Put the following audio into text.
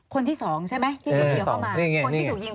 คนที่๒ใช่ไหมที่ถือเคียวเข้ามา